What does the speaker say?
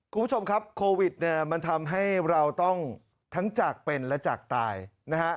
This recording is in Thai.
คุณผู้ชมครับโควิดเนี่ยมันทำให้เราต้องทั้งจากเป็นและจากตายนะฮะ